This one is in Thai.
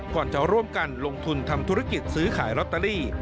ก่อนจะร่วมกันลงทุนทำธุรกิจซื้อขายลอตเตอรี่